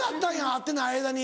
会ってない間に。